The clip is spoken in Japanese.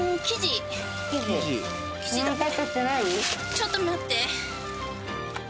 ちょっと待って。